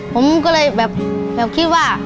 ผมก็เลยแบบคิดว่า